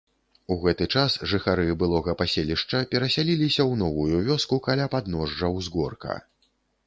У гэты час жыхары былога паселішча перасяліліся ў новую вёску каля падножжа ўзгорка.